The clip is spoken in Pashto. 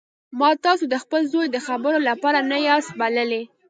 ما تاسو د خپل زوی د خبرو لپاره نه یاست بللي